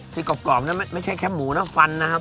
ที่กรอบกรอบน่ะไม่ใช่แค่หมูน่ะฟันน่ะ